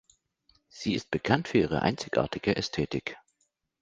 Sie ist bekannt für ihre einzigartige Ästhetik.